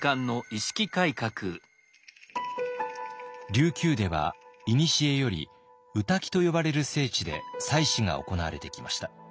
琉球ではいにしえより御嶽と呼ばれる聖地で祭祀が行われてきました。